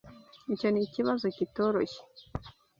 Icyo nikibazo kitoroshye.